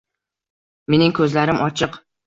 Mening ko‘zlarim ochiq.